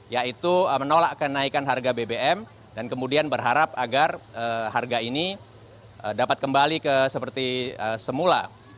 yaitu menolak kenaikan harga bbm dan kemudian berharap agar harga ini dapat kembali ke seperti semula